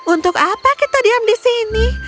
untuk apa kita diam di sini